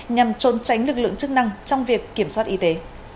nhằm trốn tránh lực lượng chức năng trong việc kiểm soát y tế